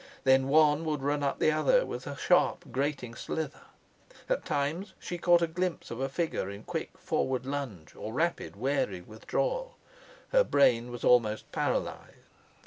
Then one would run up the other with a sharp, grating slither. At times she caught a glimpse of a figure in quick forward lunge or rapid wary withdrawal. Her brain was almost paralyzed.